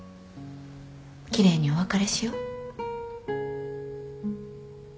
奇麗にお別れしよう